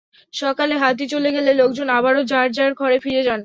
সকালে হাতি চলে গেলে লোকজন আবারও যাঁর যাঁর ঘরে ফিরে যান।